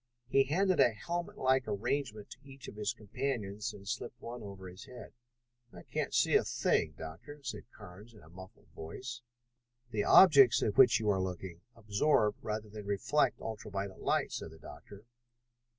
He handed a helmetlike arrangement to each of his companions and slipped one on over his head. "I can't see a thing, Doctor," said Carnes in a muffled voice. "The objects at which you are looking absorb rather than reflect ultra violet light," said the doctor.